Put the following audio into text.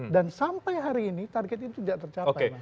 dan sampai hari ini target itu tidak tercapai